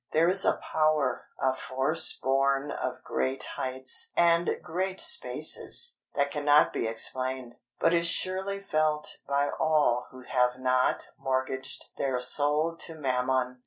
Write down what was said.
There is a power, a force born of great heights and great spaces, that cannot be explained, but is surely felt by all who have not mortgaged their soul to mammon.